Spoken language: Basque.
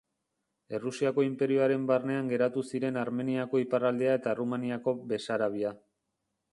Errusiako inperioaren barnean geratu ziren Armeniako iparraldea eta Errumaniako Besarabia.